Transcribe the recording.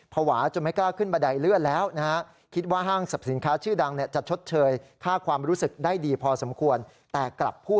ภาวะจะไม่กล้าขึ้นมาใดเลือดแล้วนะครับ